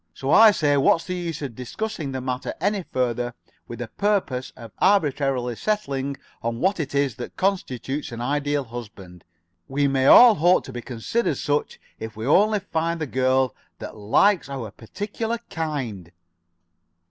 So I say what's the use of discussing the matter any further with the purpose of arbitrarily settling on what it is that constitutes an Ideal Husband? We may all hope to be considered such if we only find the girl that likes our particular kind."